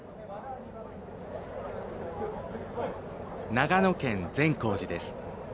長野県・善光寺です。